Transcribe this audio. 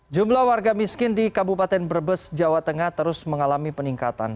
jumlah warga miskin di kabupaten brebes jawa tengah terus mengalami peningkatan